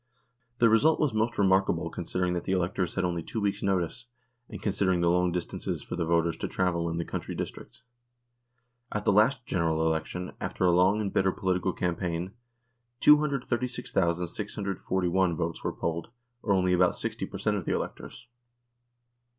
The result was most remarkable considering that the electors had only two weeks' notice, and consider ing the long distances for the voters to travel in the country districts. At the last General Election, after a long and bitter political campaign, 236,641 votes were polled, or only about 60 per cent, of the electors.